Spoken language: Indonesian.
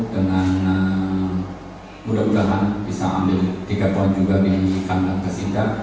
dan mudah mudahan bisa ambil tiga poin juga di kandang persita